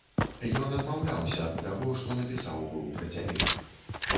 Ён адмаўляўся ад таго, што напісаў быў пра цябе.